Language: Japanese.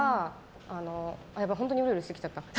本当にうるうるしてきちゃった。